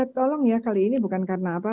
tolong ya kali ini bukan karena apa